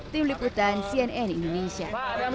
tim liputan cnn indonesia